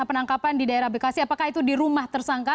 penangkapan di daerah bekasi apakah itu di rumah tersangka